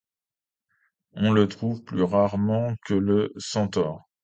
On le trouve plus rarement que le centaure.